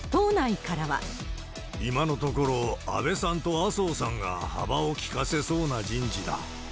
今のところ、安倍さんと麻生さんが幅を利かせそうな人事だ。